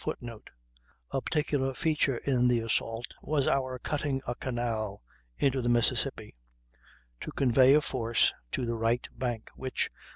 [Footnote: "A particular feature in the assault was our cutting a canal into the Mississippi... to convey a force to the right bank, which...